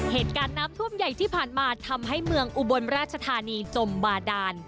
เหตุการณ์น้ำท่วมใหญ่ที่ผ่านมาทำให้เมืองอุบลราชธานีจมบาดาน